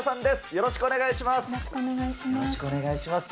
よろしくお願いします。